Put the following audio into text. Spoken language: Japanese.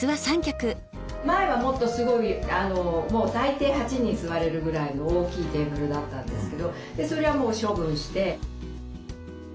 前はもっとすごいもう最低８人座れるぐらいの大きいテーブルだったんですけどそれはもう処分して。